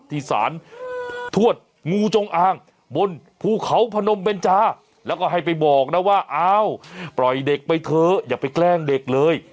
ที่สารทวดงูจงอางบนภูเขาพนมเบนจาแล้วก็ให้ไปบอกนะว่าอ้าวปล่อยเด็กไปเถอะอย่าไปแกล้งเด็กเลย